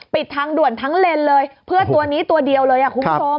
ทางด่วนทั้งเลนเลยเพื่อตัวนี้ตัวเดียวเลยคุณผู้ชม